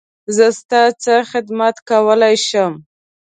زه ستا څه خدمت کولی شم؟